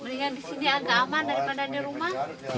mendingan di sini agak aman daripada di rumah